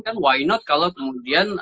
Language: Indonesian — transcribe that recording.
kan why not kalau kemudian